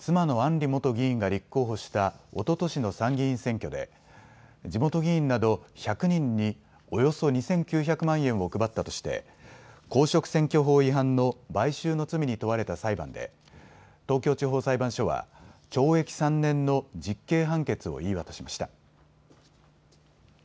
里元議員が立候補したおととしの参議院選挙で地元議員など１００人におよそ２９００万円を配ったとして公職選挙法違反の買収の罪に問われた裁判で東京地方裁判所は懲役３年の実刑判決を言い渡しました。